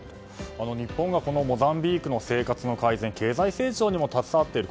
日本がモザンビークの生活の改善経済成長にも携わっている。